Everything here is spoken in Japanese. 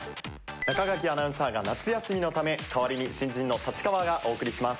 中垣アナウンサーが夏休みのため代わりに新人の立川がお送りします。